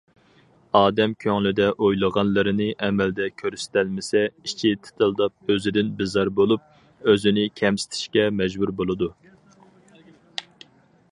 ئادەم كۆڭلىدە ئويلىغانلىرىنى ئەمەلدە كۆرسىتەلمىسە ئىچى تىتىلداپ ئۆزىدىن بىزار بولۇپ ئۆزىنى كەمسىتىشكە مەجبۇر بولىدۇ.